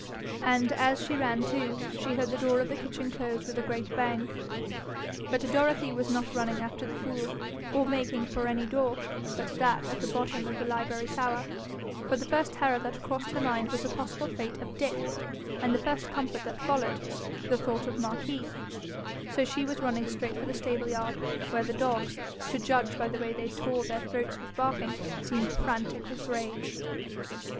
And as she ran too, she heard the door of the kitchen close with a great bang. But Dorothy was not running after the fool, or making for any door but that at the bottom of the library tower; for the first terror that crossed her mind was the possible fate of Dick, and the first comfort that followed, the thought of Marquis; so she was running straight for the stable yard, where the dogs, to judge by the way they tore their throats with barking, seemed frantic with rage.